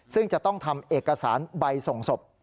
ซึ่งจะต้องทำเอกสารใบส่งศพ